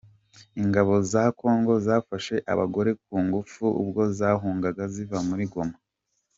ingabo za kongo zafashe abagore ku ngufu ubwo zahungaga ziva muri Goma